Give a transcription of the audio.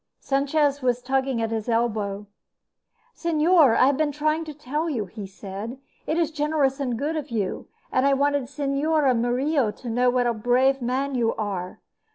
Sanchez was tugging at his elbow. "Señor, I have been trying to tell you," he said. "It is generous and good of you, and I wanted Señora Murillo to know what a brave man you are.